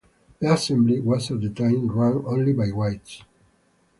The Assembly was at the time run only by whites.